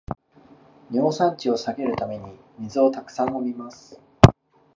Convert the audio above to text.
尿酸値を下げるために水をたくさん飲みます